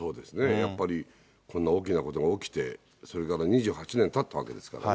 やっぱりこんな大きなことが起きて、それから２８年たったわけですからね。